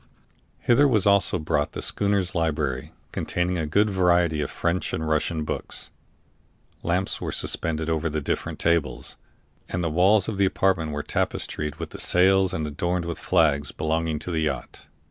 Hither was also brought the schooner's library, containing a good variety of French and Russian books; lamps were suspended over the different tables; and the walls of the apartment were tapestried with the sails and adorned with the flags belonging to the yacht.